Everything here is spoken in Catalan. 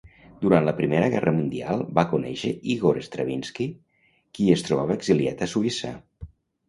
Durant la Primera Guerra Mundial va conèixer Ígor Stravinski, qui es trobava exiliat a Suïssa.